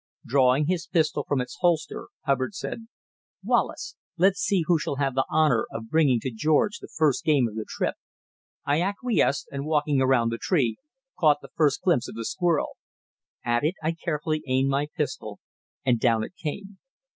Drawing his pistol from its holster, Hubbard said: "Wallace, let's see who shall have the honour of bringing to George the first game of the trip." I acquiesced, and walking around the tree, caught the first glimpse of the squirrel. At it I carefully aimed my pistol, and down it came.